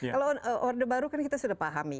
kalau orde baru kan kita sudah pahami